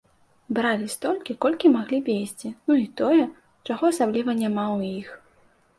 Бралі столькі, колькі маглі везці, ну і тое, чаго асабліва няма ў іх.